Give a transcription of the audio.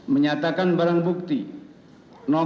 menyatakan barang bukti nomor satu tujuh belas